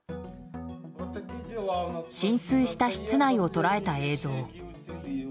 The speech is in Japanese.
浸水した室内を捉えた映像。